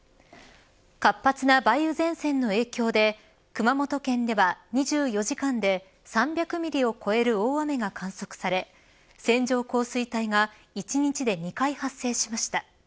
活発な梅雨前線の影響で熊本県では２４時間で３００ミリを超える大雨が観測され線状降水帯が１日で２回発生しました。